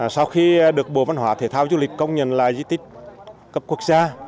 sau khi được bộ văn hóa thể thao du lịch công nhận là di tích cấp quốc gia